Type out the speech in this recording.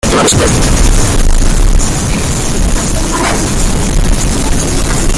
Su compromiso contra la opresión y la corrupción le llevó a la cárcel.